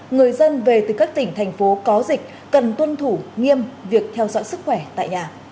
người dân về từ các tỉnh thành phố có dịch cần tuân thủ nghiêm việc theo dõi sức khỏe tại nhà